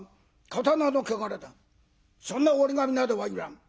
そんな折り紙などはいらん。